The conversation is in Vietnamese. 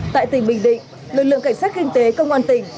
tại tỉnh bình định lực lượng cảnh sát kinh tế công an tỉnh